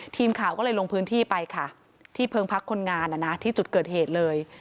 ทีมข่าวก็เลยลงพื้นที่ไปค่ะที่เพิงพักคนงานที่จุดเกิดเหตุเลย